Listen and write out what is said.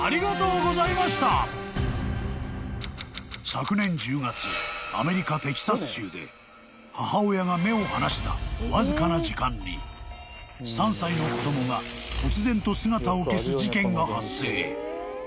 ［昨年１０月アメリカテキサス州で母親が目を離したわずかな時間に３歳の子供がこつぜんと姿を消す事件が発生］